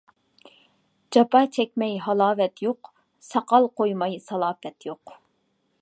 جاپا چەكمەي ھالاۋەت يوق، ساقال قويماي سالاپەت يوق.